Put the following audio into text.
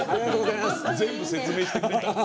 全部説明してくれた。